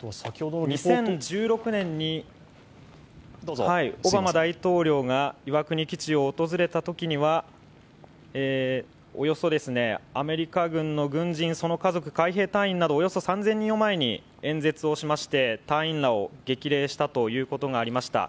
２０１６年にオバマ大統領が岩国基地を訪れたときにはおよそ、アメリカ軍の軍人その家族、海兵隊員などおよそ３０００人を前に演説をしまして隊員らを激励したことがありました。